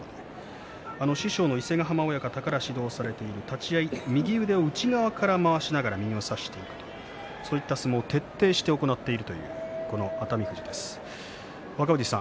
師匠の伊勢ヶ濱親方から指導されている立ち合い右を内側から回しながら相撲を差していくそういった立ち合いを徹底して行っています。